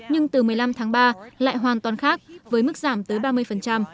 nhưng từ một mươi năm tháng ba lại hoàn toàn khác với mức giảm tới ba mươi